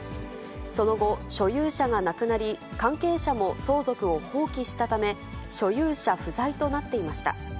その後、所有者が亡くなり、関係者も相続を放棄したため、所有者不在となっていました。